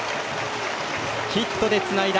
ヒットでつないだ。